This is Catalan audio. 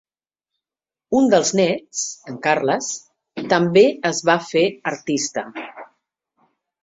Un dels néts, en Carles, també es va fer artista.